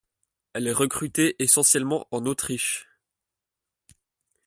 Elle est recrutée essentiellement en Autriche.